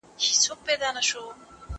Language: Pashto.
زه له سهاره انځورونه رسم کوم